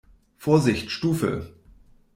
Vorsicht Stufe!